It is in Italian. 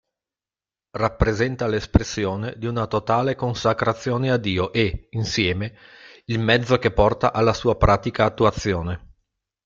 Rappresenta l'espressione di una totale consacrazione a Dio e, insieme, il mezzo che porta alla sua pratica attuazione.